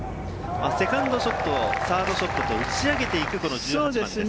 セカンドショット、サードショットと打ち上げていく、この１８番です。